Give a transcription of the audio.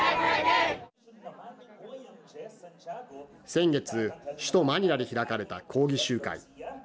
先月、首都マニラで開かれた抗議集会。